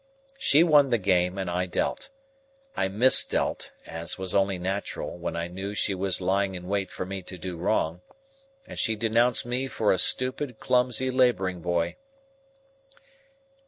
She won the game, and I dealt. I misdealt, as was only natural, when I knew she was lying in wait for me to do wrong; and she denounced me for a stupid, clumsy labouring boy.